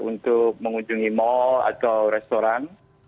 untuk mengunjungi mal atau restoran